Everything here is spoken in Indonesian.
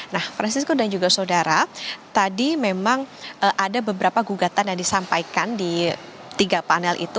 nah francisco dan juga saudara tadi memang ada beberapa gugatan yang disampaikan di tiga panel itu